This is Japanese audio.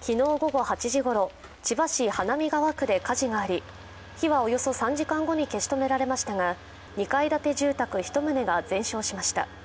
昨日午後８時ごろ、千葉市花見川区で火事があり、火はおよそ３時間後に消し止められましたが２階建て住宅１棟が全焼しました。